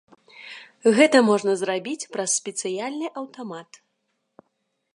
Гэта можна зрабіць праз спецыяльны аўтамат.